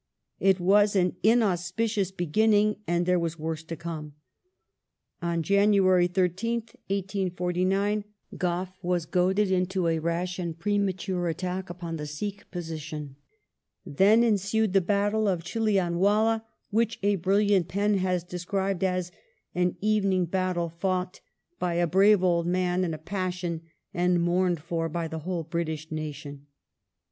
It was an inauspicious beginning and there was woi*sc to come. On January 13th, 1849, Gough was goaded into a rash and premature attack 1856] CONQUEST OF THE PUNJAB 277 upon the Sikh position. Then ensued the battle of Chilianwdla which a brilliant pen has described as "an evening battle fought by a brave old man in a passion and mourned for by the whole British nation".